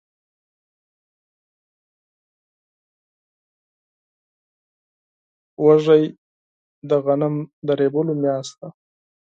وږی د غنمو د رېبلو میاشت ده.